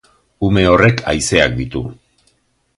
Ume horrek haizeak ditu.